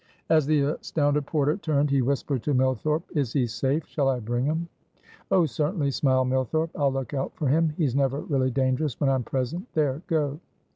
As the astounded porter turned, he whispered to Millthorpe "Is he safe? shall I bring 'em?" "Oh certainly," smiled Millthorpe: "I'll look out for him; he's never really dangerous when I'm present; there, go!"